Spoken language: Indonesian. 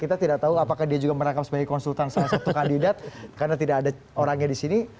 kita tidak tahu apakah dia juga merangkap sebagai konsultan salah satu kandidat karena tidak ada orangnya di sini